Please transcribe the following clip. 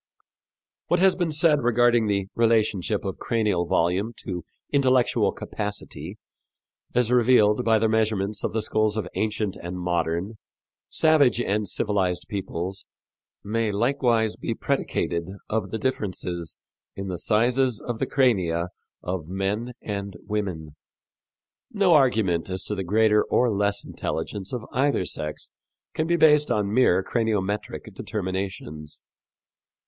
What has been said regarding the relation of cranial volume to intellectual capacity, as revealed by the measurements of the skulls of ancient and modern, savage and civilized peoples may likewise be predicated of the differences in the sizes of the crania of men and women. No argument as to the greater or less intelligence of either sex can be based on mere craniometric determinations.